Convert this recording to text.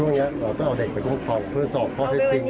ช่วงเนี้ยเราต้องเอาเด็กไปคุมของพื้นสอบพ่อเทสติงค่ะ